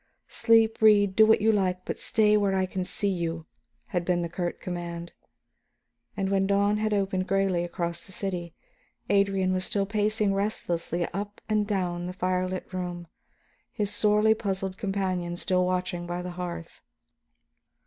"Sleep, read, do what you like, but stay where I can see you," had been the curt command. And when dawn had opened grayly across the city, Adrian was still pacing restlessly up and down the fire lit room, his sorely puzzled companion still watching by the hearth.